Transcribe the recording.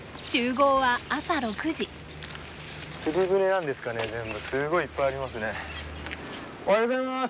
おはようございます！